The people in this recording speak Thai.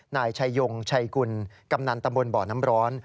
นายชายงชัยกุลกำนันตำบลบ่อน้ำร้อน